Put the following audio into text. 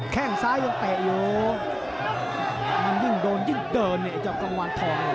แค่งซ้ายังแตะอยู่มันยิ่งโดนยิ่งเดินเนี่ยจากกลางวันทอง